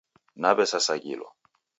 Nawesasaghilwa